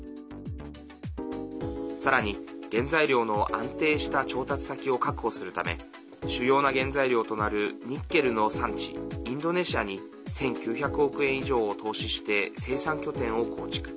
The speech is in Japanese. さらに、原材料の安定した調達先を確保するため主要な原材料となるニッケルの産地、インドネシアに１９００億円以上を投資して生産拠点を構築。